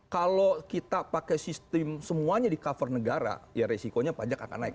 kalau kita pakai sistem semuanya di cover negara ya resikonya pajak akan naik